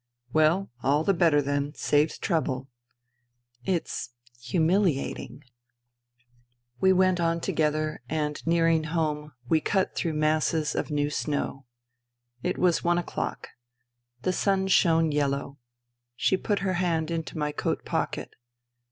" Well, all the better, then. Saves trouble." "It's ,.. humiliating." 192 FUTILITY We went on together and, nearing home, we cut through masses of new snow. It was one o'clock. The sun shone yellow. She put her hand into my coat pocket.